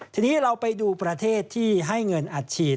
ทีนี้เราไปดูประเทศที่ให้เงินอัดฉีด